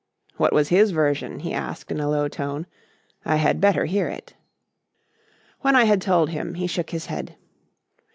"What was his version?" he asked in a low tone. "I had better hear it." When I had told him, he shook his head.